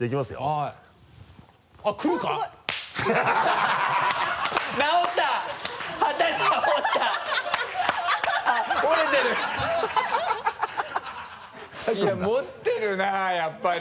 いや持ってるなやっぱり。